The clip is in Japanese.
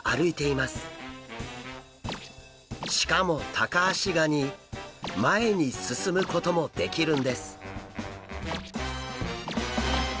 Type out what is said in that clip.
しかもタカアシガニ前に進むこともできるんです。